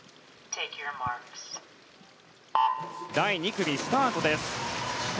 第２組、スタートです。